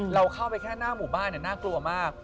เราเข้าไปแค่หน้าหมู่บ้านน่ากลัวมาก